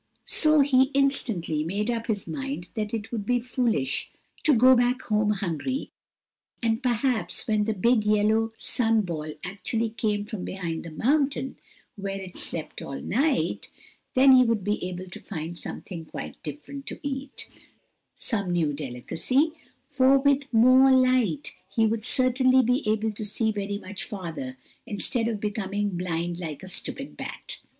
So he instantly made up his mind that it would be foolish to go back home [Illustration: SOLOMON FAILED TO SEE THE TRAP] hungry, and perhaps when the big yellow sun ball actually came from behind the mountain, where it slept all night, then he would be able to find something quite different to eat, some new delicacy, for, with more light, he would certainly be able to see very much farther, instead of becoming blind like a stupid bat.